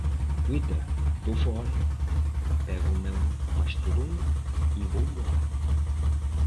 Twitter? Tô fora, pego o meu Mastodon e vou embora.